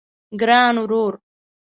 ګران ورور